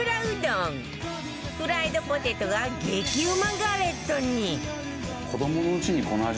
フライドポテトが激うまガレットに